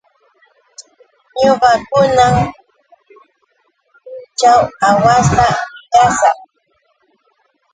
Ñuqa kanan punćhaw aawasta uryashaq.